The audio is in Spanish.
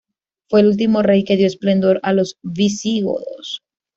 Fue el último rey que dio esplendor a los visigodos.